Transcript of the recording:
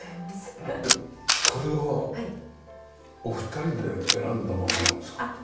でこれはお二人で選んだものなんですか？